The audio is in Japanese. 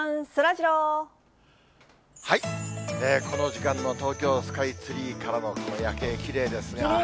この時間の東京スカイツリーからの夜景、きれいですね。